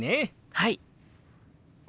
はい！